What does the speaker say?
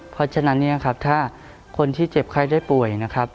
เพราะฉะนั้นถ้าคนที่เจ็บไข้ได้ป่วย